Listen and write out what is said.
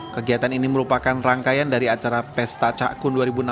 kegiatan ini merupakan rangkaian dari acara pesta cak kun dua ribu enam belas